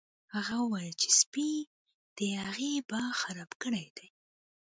هغې وویل چې سپي د هغې باغ خراب کړی دی